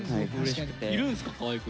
いるんすか？